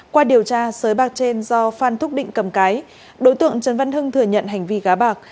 qua điều tra sới bạc trên do phan thúc định cầm cái đối tượng trần văn hưng thừa nhận hành vi gá bạc